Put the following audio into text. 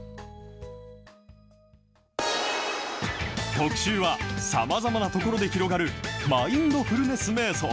特集は、さまざまなところで広がるマインドフルネスめい想。